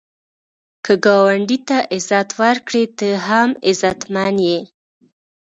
که ګاونډي ته عزت ورکړې، ته هم عزتمن یې